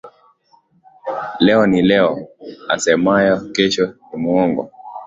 Leo ni leo asemayo kesho ni mwongo